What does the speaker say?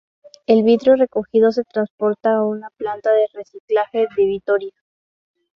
El vidrio recogido se transporta a una planta de reciclaje de Vitoria.